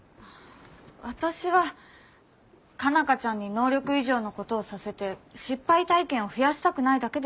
私は佳奈花ちゃんに能力以上のことをさせて失敗体験を増やしたくないだけです。